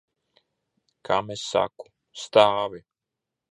Kam es saku? Stāvi!